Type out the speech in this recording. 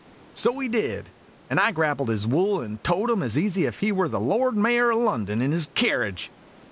So he did, and I grappled his wool and towed him as easy as if he were the Lord Mayor o' London in his kerridge.